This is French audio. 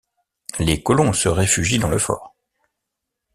Les colons se réfugient dans le fort.